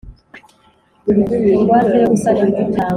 Ingwate yo gusana ibidukikije itangwa